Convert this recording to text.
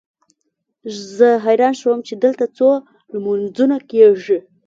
زه حیران شوم چې دلته څو لمونځونه کېږي.